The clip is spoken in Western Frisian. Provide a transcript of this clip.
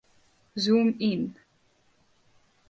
Zoom yn.